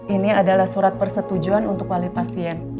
ini adalah surat persetujuan untuk wali pasien